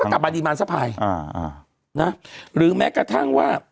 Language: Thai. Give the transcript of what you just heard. มันก็กลับอดีมันสะพายอ่าอ่านะหรือแม้กระทั่งว่า